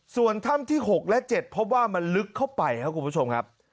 ส่วนถ้ำที่๖และ๗พบว่ามันลึกเข้าไปครับคุณผู้ชมครับ